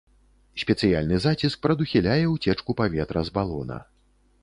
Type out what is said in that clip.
Спецыяльны заціск прадухіляе уцечку паветра з балона.